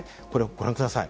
ご覧ください。